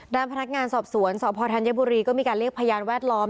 ด้านพนักงานสอบสวนสพธัญบุรีก็มีการเรียกพยานแวดล้อม